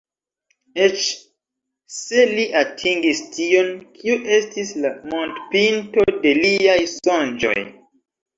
Eĉ se li atingis tion, kio estis la montpinto de liaj sonĝoj."